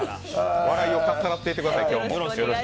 笑いをかっさらっていってください。